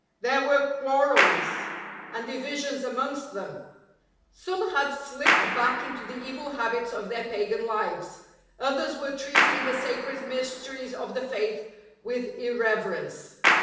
There wei'e quarrels and divisions amongst them; some had sHpped back into the evil habits of their pagan lives, others were treating the sacred mysteries of the Faith with irreverence.